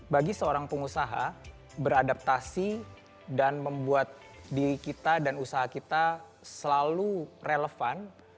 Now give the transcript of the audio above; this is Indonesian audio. bagi seorang pengusaha beradaptasi dan membuat diri kita dan usaha kita selalu relevan